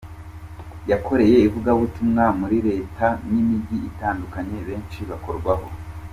Yakoreye ivugabutumwa muri Leta n'imijyi itandukanye benshi bakorwaho.